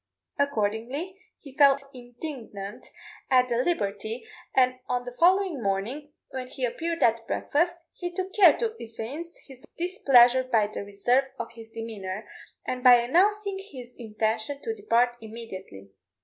Accordingly, he felt indignant at the liberty, and on the following morning, when he appeared at breakfast, he took care to evince his displeasure by the reserve of his demeanour, and by announcing his intention to depart immediately.